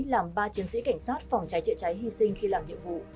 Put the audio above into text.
làm ba chiến sĩ cảnh sát phòng cháy chữa cháy hy sinh khi làm nhiệm vụ